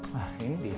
nah ini dia